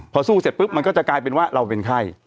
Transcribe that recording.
พอสู้เสร็จปุ๊บมันก็จะกลายเป็นว่าเราเป็นไข้